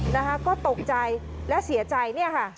นะคะก็ตกใจและเสียใจเนี่ยค่ะ